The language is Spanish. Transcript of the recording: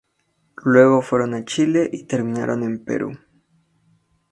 Luego fueron a Chile y terminaron en Perú.